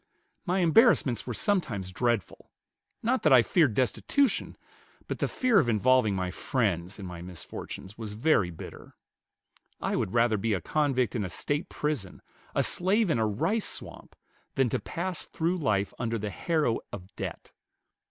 My embarrassments were sometimes dreadful; not that I feared destitution, but the fear of involving my friends in my misfortunes was very bitter.... I would rather be a convict in a State prison, a slave in a rice swamp, than to pass through life under the harrow of debt.